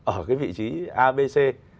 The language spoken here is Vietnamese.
ở cái vị trí abc